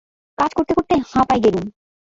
কাজ করতে করতে হাঁপায় গেলুম।